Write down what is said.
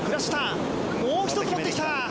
もう一つ持って来た！